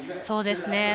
そうですね。